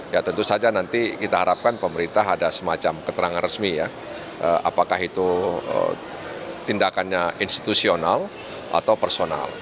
ya tentu saja nanti kita harapkan pemerintah ada semacam keterangan resmi ya apakah itu tindakannya institusional atau personal